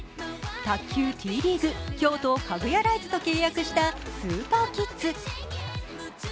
卓球Ｔリーグ、京都カグヤライズと契約した卓球キッズ。